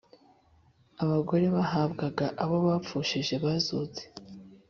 Abagore bahabwaga abo bapfushije bazutse